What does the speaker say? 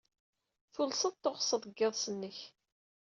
Tulsed tsuɣed deg yiḍes-nnek.